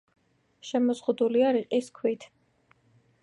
შემოზღუდულია რიყის ქვით.